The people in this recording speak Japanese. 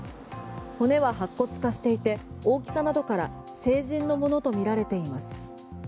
骨は白骨化していて大きさなどから成人のものとみられています。